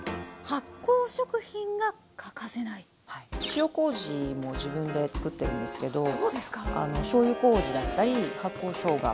塩こうじも自分で作ってるんですけどしょうゆこうじだったり発酵しょうが